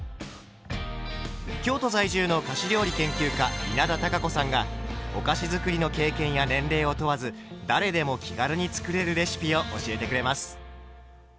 京都在住の菓子料理研究家稲田多佳子さんがお菓子づくりの経験や年齢を問わず誰でも気軽に作れるレシピを教えてくれます。